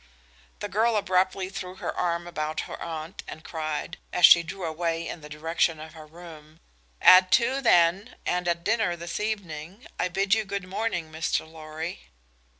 The girl abruptly threw her arm about her aunt and cried, as she drew away in the direction of her room: "At two, then, and at dinner this evening. I bid you good morning, Mr. Lorry."